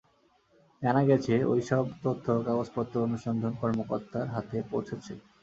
জানা গেছে, ওই সব তথ্য ও কাগজপত্র অনুসন্ধান কর্মকর্তার হাতে পৌঁছেছে।